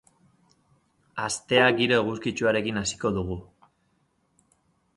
Astea giro eguzkitsuarekin hasiko dugu.